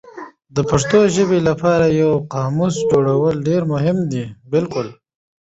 د پښتو ژبې لپاره یو قاموس جوړول ډېر مهم دي.